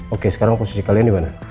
oke sekarang posisi kalian dimana